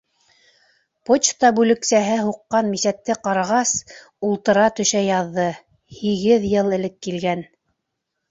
Почта бүлексәһе һуҡҡан мисәтте ҡарағас, ултыра төшә яҙҙы: һигеҙ йыл элек килгән.